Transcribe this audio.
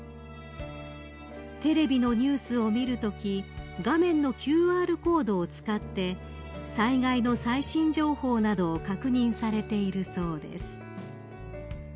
［テレビのニュースを見るとき画面のＱＲコードを使って災害の最新情報などを確認されているそうです］